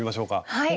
はい！